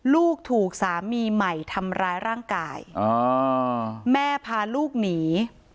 ลูกถูกสามีใหม่ทำร้ายร่างกายแม่พาลูกหนี